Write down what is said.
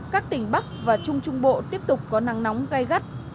các tỉnh bắc và trung trung bộ tiếp tục có nắng nóng gai gắt